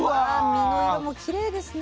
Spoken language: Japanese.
身の色もきれいですね。